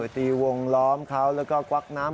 ตีวงล้อมเขาแล้วก็กวักน้ำ